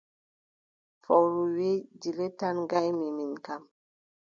Fowru wii: dile tan ngaymi min kam!